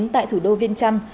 tại thủ đô viên trăm